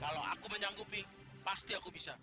kalau aku menyanggupi pasti aku bisa